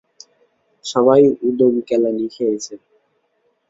সবাই উদোম কেলানি খেয়েছে।